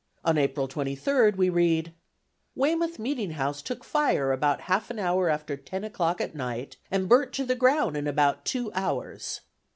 On April 23d we read, "Weymouth Meeting House took fire about half an hour after 10 o'clock at night and burnt to the ground in abt 2 hours."